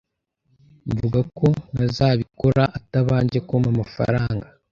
mvuga ko ntazabikora atabanje kumpa amafaranga